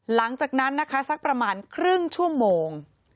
หลังจากนั้นนะคะสักประมาณครึ่งชั่วโมง